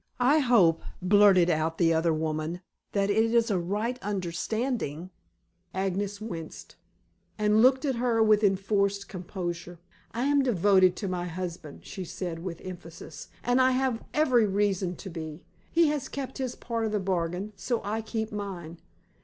"I hope," blurted out the other woman, "that it is a right understanding?" Agnes winced, and looked at her with enforced composure. "I am devoted to my husband," she said, with emphasis. "And I have every reason to be. He has kept his part of the bargain, so I keep mine.